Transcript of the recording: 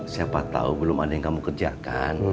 siapa tahu belum ada yang kamu kerjakan